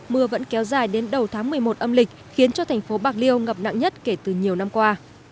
mưa vẫn kéo dài đến đầu tháng một mươi một âm lịch khiến cho thành phố bạc liêu ngập nặng nhất kể từ nhiều năm qua